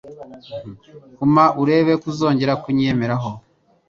Huma urebeko uzongera kunyiyemeraho